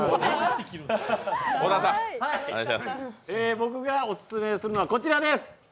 僕がオススメするのはこちらです。